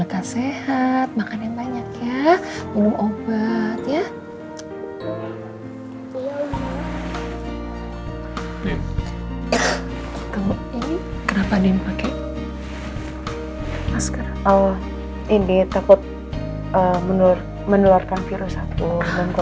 masalah ini juga sangat sangat urgent untuk kami